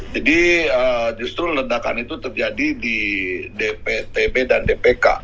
jadi justru ledakan itu terjadi di dptb dan dpk